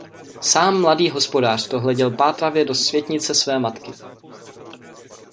Sám mladý hospodář to hleděl pátravě do světnice své matky.